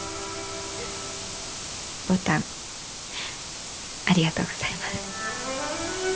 牡丹ありがとうございます。